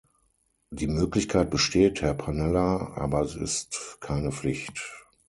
Die Möglichkeit besteht, Herr Pannella, aber es ist keine Pflicht.